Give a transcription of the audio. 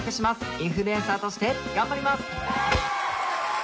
インフルエンサーとして頑張ります！